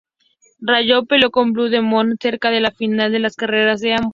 Rayo peleó con Blue Demon cerca del final de las carreras de ambos.